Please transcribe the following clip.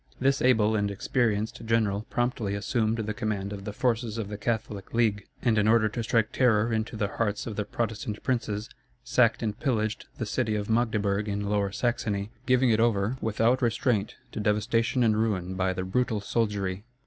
This able and experienced general promptly assumed the command of the forces of the Catholic League, and in order to strike terror into the hearts of the Protestant princes, sacked and pillaged the city of Magdeburg in Lower Saxony, giving it over without restraint to devastation and ruin by the brutal soldiery.